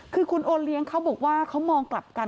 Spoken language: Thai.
คือคุณโอเลี้ยงเขาบอกว่าเขามองกลับกัน